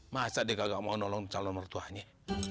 masa dia kagak mau nolong calon mertuanya